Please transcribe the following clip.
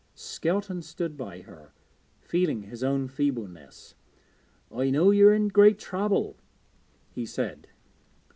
Skelton stood by her, feeling his own feebleness. 'I know you are in great trouble,' he said.